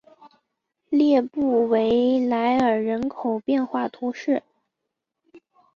列布维莱尔人口变化图示